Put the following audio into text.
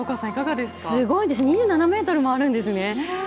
すごいです２７メートルもあるんですね。